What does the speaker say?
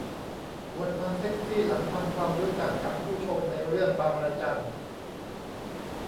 อวดความเซ็กซี่หลังทำความรู้จักกับผู้ชมในเรื่องบางระจัน